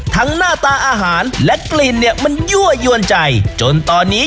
ทั้งหน้าตาอาหารและกลิ่นมันยั่วย้อนใจจนตอนนี้